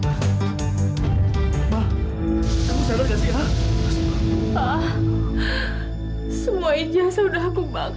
pa semuanya sudah aku bakar